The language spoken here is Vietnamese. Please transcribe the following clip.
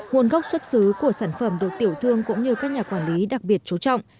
nguồn gốc xuất xứ của sản phẩm được tiểu thương cũng như các nhà quản lý đặc biệt chú trọng